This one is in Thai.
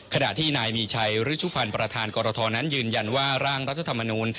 ขณะที่นายมีชัยฤชุพันธ์ประธานกรทนั้นยืนยันว่าร่างรัฐธรรมนูล